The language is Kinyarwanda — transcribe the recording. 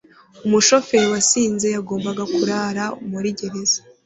Umushoferi wasinze yagombaga kurara muri gereza.